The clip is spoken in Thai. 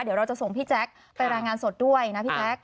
เดี๋ยวเราจะส่งพี่แจ๊คไปรายงานสดด้วยนะพี่แจ๊ค